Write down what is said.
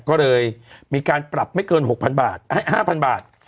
ก็เลยมีการปรับไม่เกินหกพันบาทห้าพันบาท